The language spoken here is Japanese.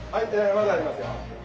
まだありますよ！